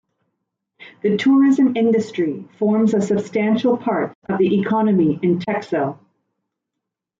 The tourism industry forms a substantial part of the economy in Texel.